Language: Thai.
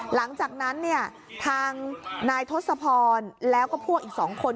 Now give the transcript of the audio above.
หลังจากนั้นเนี่ยทางนายทศพรแล้วก็พวกอีก๒คน